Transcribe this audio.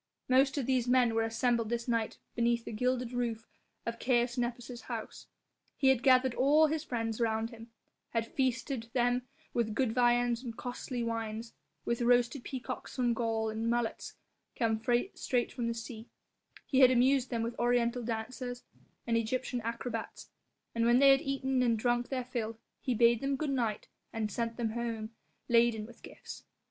Most of these men were assembled this night beneath the gilded roof of Caius Nepos' house. He had gathered all his friends round him, had feasted them with good viands and costly wines, with roasted peacocks from Gaul and mullets come straight from the sea; he had amused them with oriental dancers and Egyptian acrobats, and when they had eaten and drunk their fill he bade them good night and sent them home, laden with gifts.